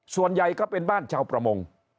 ส่วนใหญ่ก็เป็นบ้านชาวประมง